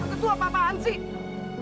itu apa apaan sih